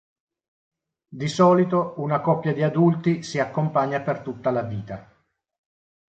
Di solito una coppia di adulti si accompagna per tutta la vita.